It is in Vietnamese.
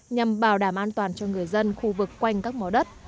nhằm bảo đảm an toàn cho người dân khu vực quanh các mỏ đất